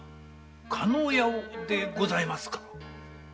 加納屋をでございますか？